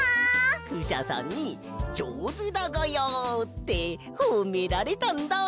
クシャさんに「じょうずだがや」ってほめられたんだ！